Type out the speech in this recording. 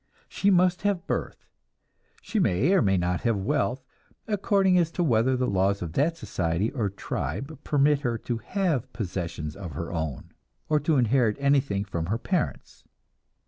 She must have birth; she may or may not have wealth, according as to whether the laws of that society or tribe permit her to have possessions of her own, or to inherit anything from her parents.